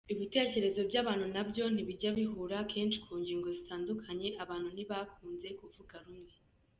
Ibitekerezo by’abantu nabyo ntibijya bihura, kenshi ku ngingo zitandukanye abantu ntibakunze kuvuga rumwe.